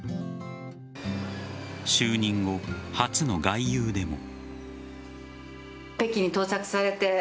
就任後、初の外遊でも。